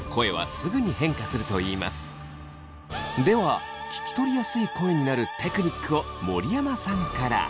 では聞き取りやすい声になるテクニックを森山さんから。